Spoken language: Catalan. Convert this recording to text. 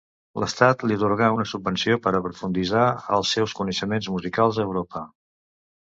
L'Estat li atorgà una subvenció per a profunditzar els seus coneixements musicals a Europa.